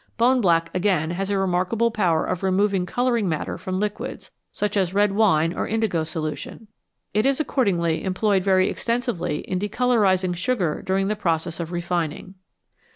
Bone black, again, has a remarkable power of removing colouring matter from liquids, such as red wine or indigo solution ; it is accordingly employed very extensively in decolourising sugar during the process of refining.